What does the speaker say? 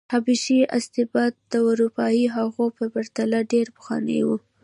حبشي استبداد د اروپايي هغو په پرتله ډېر پخوانی و.